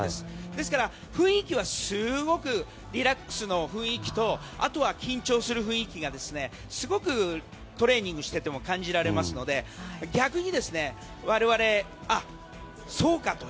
ですから雰囲気はすごくリラックスの雰囲気とあとは、緊張する雰囲気がすごくトレーニングしていても感じられますので逆に我々あ、そうかと。